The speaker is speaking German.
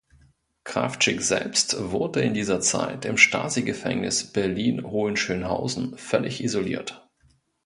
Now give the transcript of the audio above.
Krawczyk selbst wurde in dieser Zeit im Stasi-Gefängnis Berlin-Hohenschönhausen völlig isoliert.